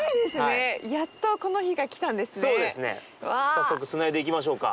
早速つないでいきましょうか。